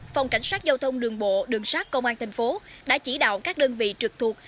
phòng cảnh sát giao thông đường bộ đường sát công an thành phố đã chỉ đạo các đơn vị trực thuộc